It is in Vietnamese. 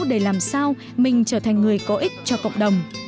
để làm sao mình trở thành người có ích cho cộng đồng